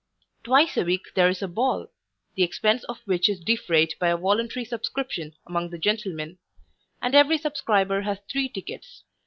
Twice a week there is a ball; the expence of which is defrayed by a voluntary subscription among the gentlemen; and every subscriber has three tickets.